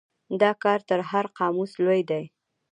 دا کار تر هر قاموس لوی دی.